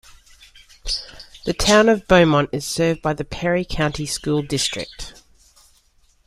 The Town of Beaumont is served by the Perry County School District.